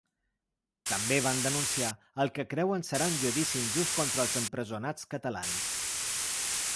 També van denunciar el que creuen serà un judici injust contra els empresonats catalans.